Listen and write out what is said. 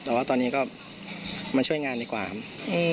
แต่ว่าตอนนี้ก็มาช่วยงานดีกว่าครับ